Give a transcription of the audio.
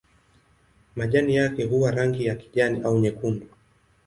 Majani yake huwa na rangi ya kijani au nyekundu.